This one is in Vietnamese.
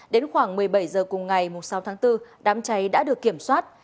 đến khoảng một mươi bảy h cùng ngày sáu tháng bốn đám cháy đã được kiểm soát